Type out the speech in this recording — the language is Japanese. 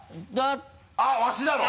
あっわしだろ！